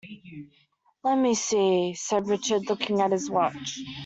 "Let me see," said Richard, looking at his watch.